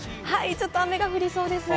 ちょっと雨が降りそうです。